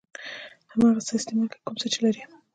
هماغه څه استعمال کړه کوم څه چې لرئ.